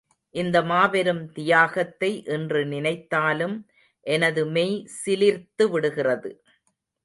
இந்த மாபெரும் தியாகத்தை இன்று நினைத்தாலும் எனது மெய் சிலிர்த்துவிடுகிறது.